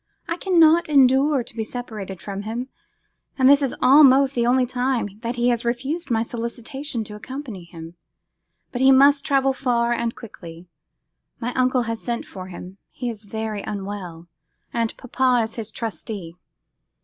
I cannot endure to be separated from him, and this is almost the only time that he has refused my solicitation to accompany him. But he must travel far and quickly. My uncle has sent for him; he is very unwell, and papa is his trustee.